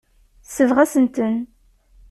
Tesbeɣ-asen-ten.